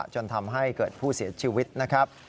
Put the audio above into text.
จนทำให้เกิดผู้เสียชีวิตนะครับ